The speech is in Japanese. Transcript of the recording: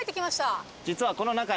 実はこの中に。